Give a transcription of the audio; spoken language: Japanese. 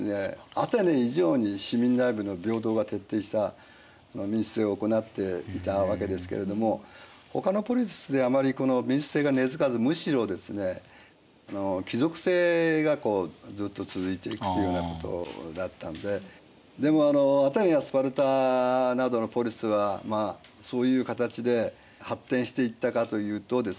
アテネ以上に市民内部の平等が徹底した民主政を行っていたわけですけれどもほかのポリスではあまりこの民主政が根づかずむしろですね貴族政がずっと続いていくというようなことだったんででもアテネやスパルタなどのポリスはそういう形で発展していったかというとですね